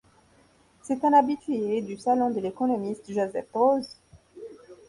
C’est un habitué du salon de l’économiste Joseph Droz.